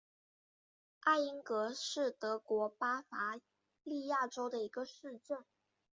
艾因格是德国巴伐利亚州的一个市镇。